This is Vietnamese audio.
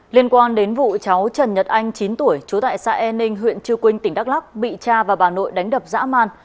liên quan đến vụ cháu trần nhật anh chín tuổi chú tại xã e ninh huyện chư quynh tỉnh đắk lắc bị cha và bà nội đánh đập dã man